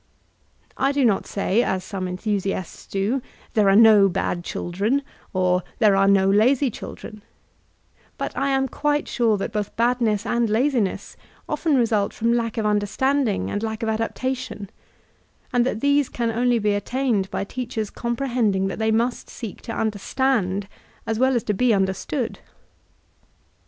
I do not say, as some enthusiasts do, ''there are no bad children/' or "there are no hzy children''; but I am quite sure that both badness and laadness often result from lack of understanding and lack of adaptation ; and that these can only be attained by teachers comprehending that they must seek to understand as well as to be under stood.